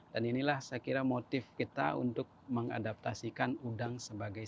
dan inilah saya kira motif kita untuk mengadaptasikan udang sebagainya